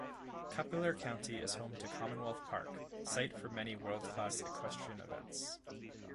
Culpeper County is home to Commonwealth Park, site for many world-class equestrian events.